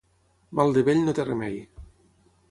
Mal de vell no té remei.